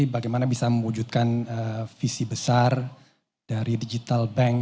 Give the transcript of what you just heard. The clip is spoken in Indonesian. bagaimana bisa mewujudkan visi besar dari digital bank